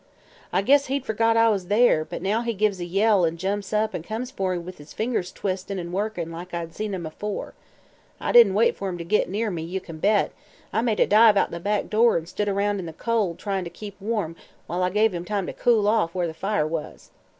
"I guess he'd fergot I was there, but now he gives a yell an' jumps up an' comes for me with his fingers twistin' and workin' like I'd seen 'em afore. I didn't wait fer him to git near me, you kin bet; I made a dive out the back door an' stood aroun' in the cold tryin' to keep warm while I give him time to cool off where the fire was.